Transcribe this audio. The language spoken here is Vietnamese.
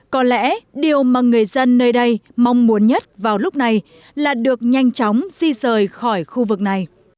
có lẽ điều mà người dân nơi đây mong muốn nhất vào lúc này là được nhanh chóng di rời khỏi khu vực này